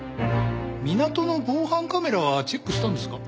港の防犯カメラはチェックしたんですか？